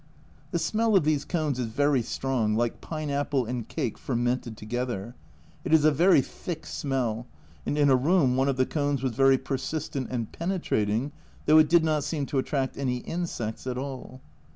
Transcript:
The smell of these cones is very strong, like pine apple and cake fermented together ; it is a very thick smell, and in a room one of the cones was very persistent and penetrating, though it did not seem to attract any insects at all.